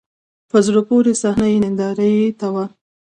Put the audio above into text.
په زړه پورې صحنه یې نندارې ته و.